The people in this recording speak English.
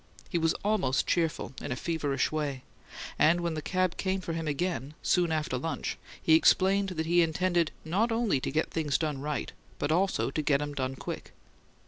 He was almost cheerful, in a feverish way, and when the cab came for him again, soon after lunch, he explained that he intended not only to get things done right, but also to "get 'em done quick!"